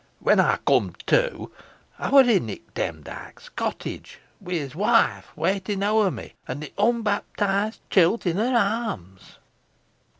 When I cum' to, I wur i' Nick Demdike's cottage, wi' his woife watching ower me, and th' unbapteesed chilt i' her arms."